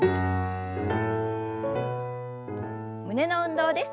胸の運動です。